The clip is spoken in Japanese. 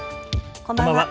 こんばんは。